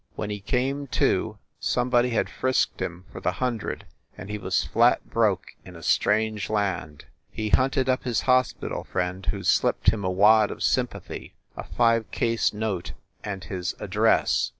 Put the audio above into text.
When he came to, somebody had frisked him for the hundred, and he was flat broke in a strange land. He hunted up his hospital friend, who slipped him a wad of sympathy, a five case note and his ad dress.